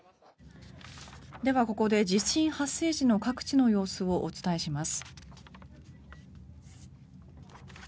ではここで地震発生時の各地の様子をお伝えします。